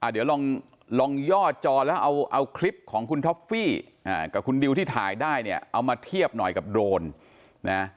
เดี๋ยวลองย่อจอแล้วเอาคลิปของคุณท็อฟฟี่กับคุณดิวที่ถ่ายได้เนี่ยเอามาเทียบหน่อยกับโดรนนะ